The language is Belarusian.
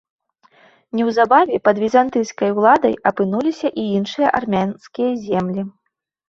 Неўзабаве пад візантыйскай уладай апынуліся і іншыя армянскія землі.